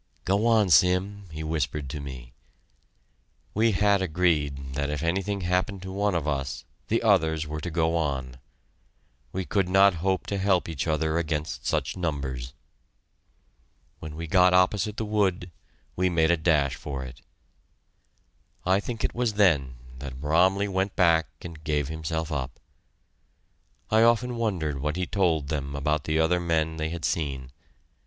"Go on, Sim," he whispered to me. We had agreed that if anything happened to one of us, the others were to go on. We could not hope to help each other against such numbers. When we got opposite the wood, we made a dash for it. I think it was then that Bromley went back and gave himself up. I often wondered what he told them about the other men they had seen.